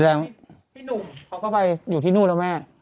พี่หนุ่มเขาก็ไปอยู่ที่นู่นแล้วแม่